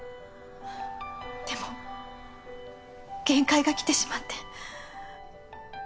でも限界がきてしまって。